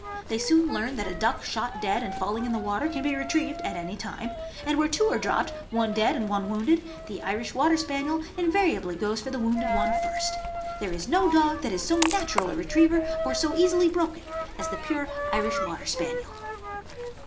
They soon learn that a duck shot dead and falling in the water can be retrieved at any time, and where two are dropped, one dead and one wounded, the Irish Water Spaniel invariably goes for the wounded one first. There is no dog that is so natural a retriever or so easily broken as the pure Irish Water Spaniel.